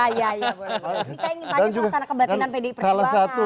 ini saya ingin tanya suasana kebatinan pdi perjuangan